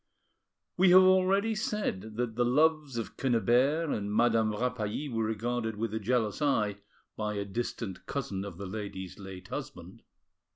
We have already said that the loves of Quennebert and Madame Rapally were regarded with a jealous eye by a distant cousin of the lady's late husband.